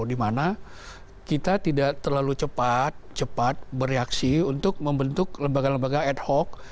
dimana kita tidak terlalu cepat cepat bereaksi untuk membentuk lembaga lembaga ad hoc